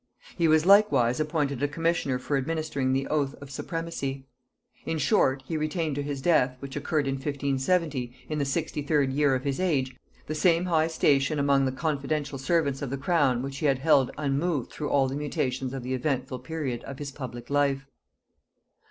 He was likewise appointed a commissioner for administering the oath of supremacy. In short, he retained to his death, which occurred in 1570, in the 63d year of his age, the same high station among the confidential servants of the crown which he had held unmoved through all the mutations of the eventful period of his public life.